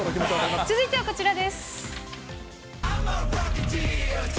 続いてはこちらです。